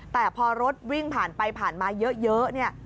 แต่พอรถวิ่งผ่านไปผ่านมาเยอะเนี่ย